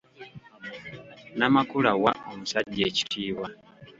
Namakula wa omusajja ekitiibwa.